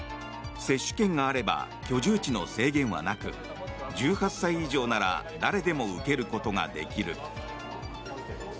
接種券があれば居住地の制限はなく１８歳以上なら誰でも受けることができる。